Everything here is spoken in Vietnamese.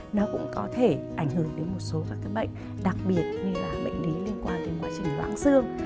nó cũng có thể ảnh hưởng đến một số các cái bệnh đặc biệt như là bệnh lý liên quan đến quá trình vãng xương